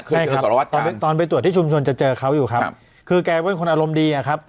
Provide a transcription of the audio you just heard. คือสารวัตรตอนไปตรวจที่ชุมชนจะเจอเขาอยู่ครับคือแกเป็นคนอารมณ์ดีอะครับ